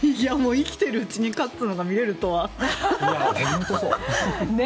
生きているうちに勝つのが見れるとは。